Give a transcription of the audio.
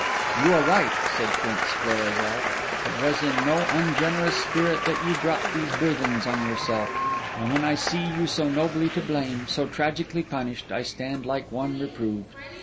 'You are right,' said Prince Florizel: 'it was in no ungenerous spirit that you brought these burthens on yourself; and when I see you so nobly to blame, so tragically punished, I stand like one reproved.